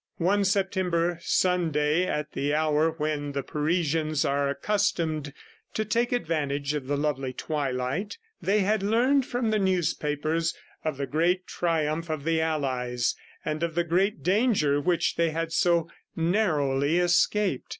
One September Sunday, at the hour when the Parisians are accustomed to take advantage of the lovely twilight, they had learned from the newspapers of the great triumph of the Allies and of the great danger which they had so narrowly escaped.